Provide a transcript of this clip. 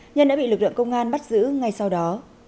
nhân đã bị lực lượng công an bắt giữ ngay sau đó